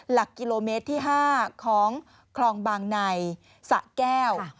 หลักกิโลเมตรที่๕ของคลองบางในสะแก้ว